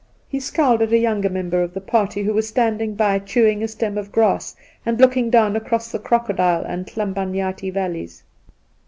He scowled at a younger member of the party who was standing by chewing a stem of grass and looking down across the Crocodile and Hlambanyati valleys.